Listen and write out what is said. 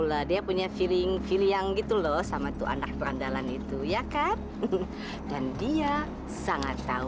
cafe nya tutup kan